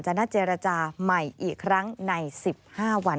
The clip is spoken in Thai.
นัดเจรจาใหม่อีกครั้งใน๑๕วัน